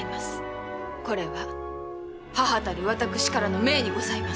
これは母たる私からの命にございます。